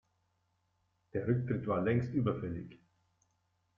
Der Rücktritt war längst überfällig.